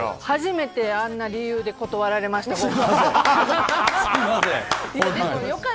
初めてあんな理由で断られました。